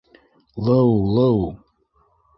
Лыулыу.